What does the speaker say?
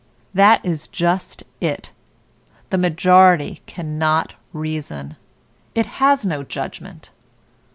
That is just it, the majority cannot reason; it has no judgment.